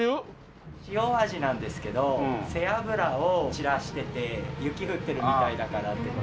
塩味なんですけど背脂を散らしてて雪降ってるみたいだからって。